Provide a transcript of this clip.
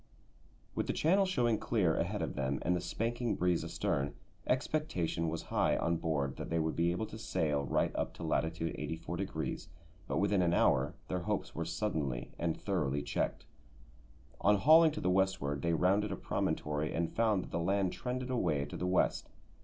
With the channel showing clear ahead of them and the spanking breeze astern, expectation was high on board that they would be able to sail right up to latitude 84°, but within an hour their hopes were suddenly and thoroughly checked. On hauling to the westward they rounded a promontory and found that the land trended away to the west.